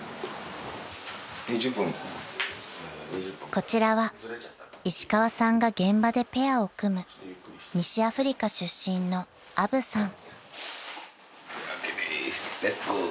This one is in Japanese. ［こちらは石川さんが現場でペアを組む西アフリカ出身のアブさん］